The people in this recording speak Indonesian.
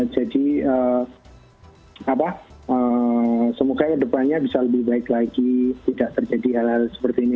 jadi semoga depannya bisa lebih baik lagi tidak terjadi hal hal seperti ini